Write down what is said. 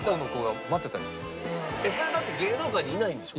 それだって芸能界にいないんでしょ？